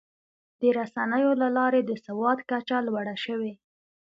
د رسنیو له لارې د سواد کچه لوړه شوې.